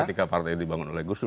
ketika partai itu dibangun oleh gusdur